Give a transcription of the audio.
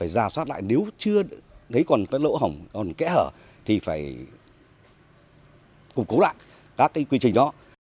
giả soát lại nếu chưa thấy còn cái lỗ hổng còn kẽ hở thì phải củng cố lại các cái quy trình đó